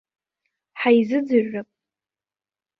Ҳаизыӡырҩып.